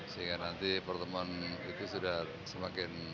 sehingga nanti pertemuan itu sudah semakin